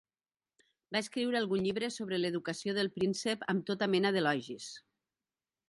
Va escriure algun llibre sobre l'educació del príncep amb tota mena d'elogis.